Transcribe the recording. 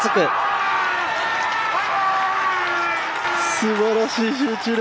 すばらしい集中力。